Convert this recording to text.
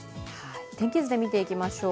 天気図で見ていきましょう。